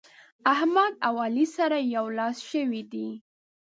احمد او علي سره يو لاس شوي دي.